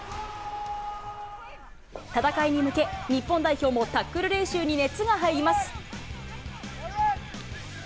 戦いに向け、日本代表もタックル練習に熱が入ります。